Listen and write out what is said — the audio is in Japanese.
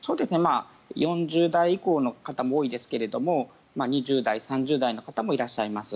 ４０代以降の方も多いですけど２０代、３０代の方もいらっしゃいます。